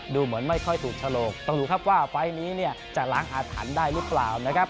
ดูเหมือนไม่ค่อยถูกฉลกต้องดูครับว่าไฟล์นี้เนี่ยจะล้างอาถรรพ์ได้หรือเปล่านะครับ